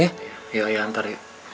iya ayah antar